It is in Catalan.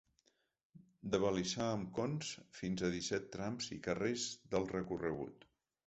D’abalisar amb cons fins a disset trams i carrers del recorregut.